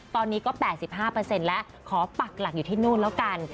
ตอนนี้ก็๘๕แล้วขอปักหลักอยู่ที่นู่นแล้วกัน